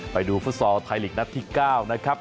ไปดูฟุตสอร์ทไทยลีกส์นัทที่๙นะครับ